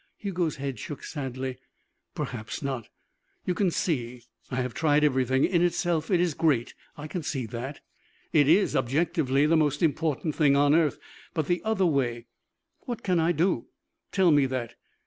Hugo's head shook sadly. "Perhaps not. You can see I have tried everything. In itself, it is great. I can see that. It is, objectively, the most important thing on earth. But the other way What can I do? Tell me that.